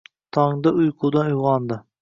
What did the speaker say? Tongda uyqudan uygʻondi